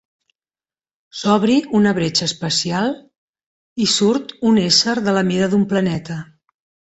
S'obri una bretxa espacial i surt un ésser de la mida d'un planeta.